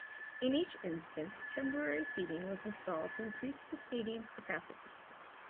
In each instance, temporary seating was installed to increase the stadium's capacity.